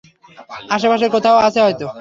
আশেপাশে কোথাও আছে হয়তো।